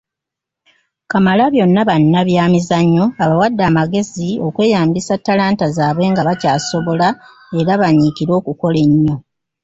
Kamalabyonna bannabyamizannyo abawadde amagezi okweyambisa talanta zaabwe nga bakyasobola era banyikire okukola ennyo.